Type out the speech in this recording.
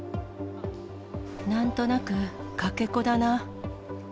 なんとなくかけ子だな。